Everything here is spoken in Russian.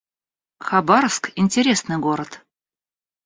Хабаровск — интересный город